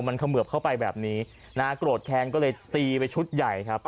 มันเขมือบเข้าไปแบบนี้นะฮะโกรธแค้นก็เลยตีไปชุดใหญ่ครับ